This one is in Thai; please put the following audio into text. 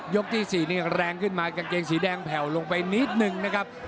ที่๔นี่แรงขึ้นมากางเกงสีแดงแผ่วลงไปนิดนึงนะครับ